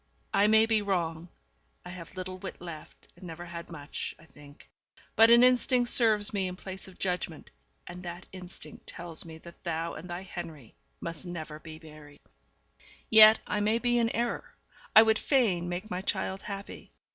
I may be wrong; I have little wit left, and never had much, I think; but an instinct serves me in place of judgement, and that instinct tells me that thou and thy Henri must never be married. Yet I may be in error. I would fain make my child happy.